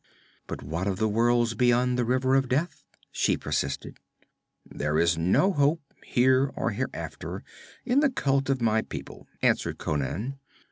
'But what of the worlds beyond the river of death?' she persisted. 'There is no hope here or hereafter in the cult of my people,' answered Conan.